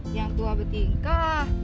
yang tua bertingkah